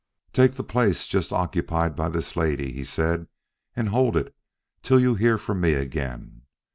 "Take the place just occupied by this lady," he said, "and hold it till you hear from me again."